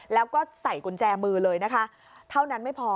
แล้วก็ใส่กุญแจมือเลยนะคะเท่านั้นไม่พอ